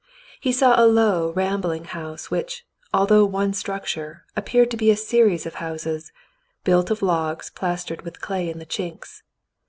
He saw a low, rambling house, which, although one struc ture, appeared to be a series of houses, built of logs plas tered with clay in the chinks.